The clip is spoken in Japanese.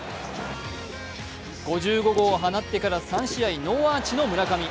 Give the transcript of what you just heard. ５５号を放ってから３試合ノーアーチの村上。